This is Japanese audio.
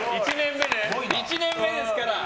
１年目ですからね。